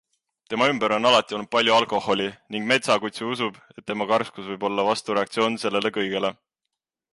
Tema ümber on alati olnud palju alkoholi ning Metsakutsu usub, et tema karskus võib olla vastureaktsioon sellele kõigele.